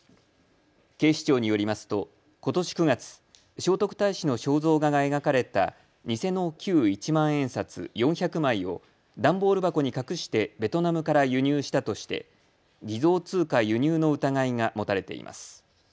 警視庁によりますとことし９月、聖徳太子の肖像画が描かれた偽の旧一万円札４００枚を段ボール箱に隠してベトナムから輸入したとして偽造通貨輸入の疑いが持たれています。